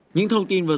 những thông tin vừa rồi